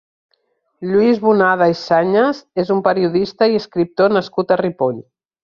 Lluís Bonada i Sañas és un periodista i escriptor nascut a Ripoll.